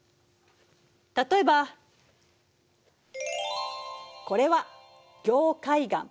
例えばこれは凝灰岩。